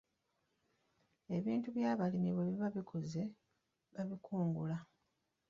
Ebintu by'abalimi bwe biba bikuze, babikungula.